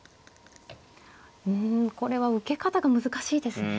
うんこれは受け方が難しいですね。